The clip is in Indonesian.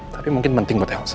tapi mungkin penting buat elsa